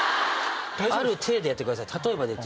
ある体でやってください。